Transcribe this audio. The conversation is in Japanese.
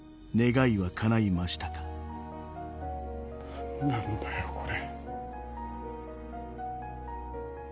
何なんだよこれ。